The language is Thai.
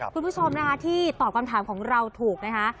คุณผู้ชมนะคะที่ตอบคำถามของเราถูกนะคะ